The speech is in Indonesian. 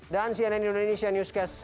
dan cnn indonesia newscas